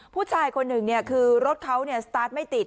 ผู้ชายคนหนึ่งคือรถเขาสตาร์ทไม่ติด